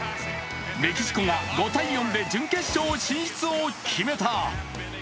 メキシコが５−４で準決勝進出を決めた。